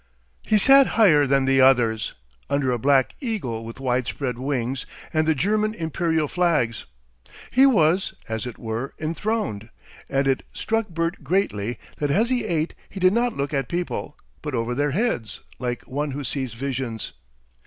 He sat higher than the others, under a black eagle with widespread wings and the German Imperial flags; he was, as it were, enthroned, and it struck Bert greatly that as he ate he did not look at people, but over their heads like one who sees visions.